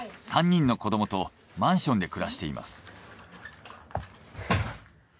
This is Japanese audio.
３人の子どもとマンションで暮らしています。